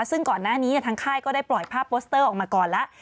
ซึ่งก่อนหน้านี้ทางค่ายก็ได้ปล่อยภาพโปสเตอร์ออกมาก่อนแล้ว